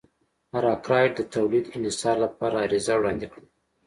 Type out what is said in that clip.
ارکرایټ د تولید انحصار لپاره عریضه وړاندې کړه.